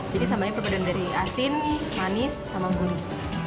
jadi sambalnya berbeda dari asin manis sama gurih